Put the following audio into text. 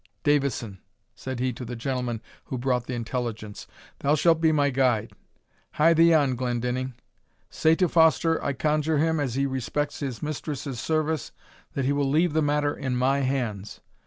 Davidson," said he to the gentleman who brought the intelligence, "thou shalt be my guide. Hie thee on, Glendinning Say to Foster, I conjure him, as he respects his mistress's service, that he will leave the matter in my hands.